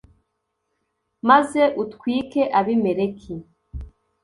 maze utwike abimeleki